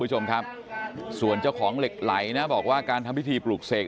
คุณผู้ชมครับส่วนเจ้าของเหล็กไหลนะบอกว่าการทำพิธีปลูกเสก